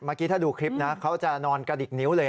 เมื่อกี้ถ้าดูคลิปนะเขาจะนอนกระดิกนิ้วเลย